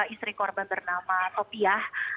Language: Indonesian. istri korban bernama sofia